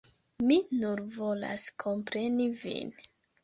Mi nur volas kompreni vin.